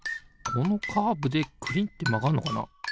このカーブでくりんってまがんのかな？